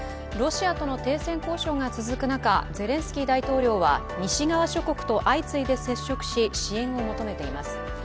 ロシアとの停戦交渉が続く中、ゼレンスキー大統領は西側諸国と相次いで接触し支援を求めています。